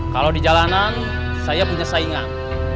kalau di jalanan saya punya saingan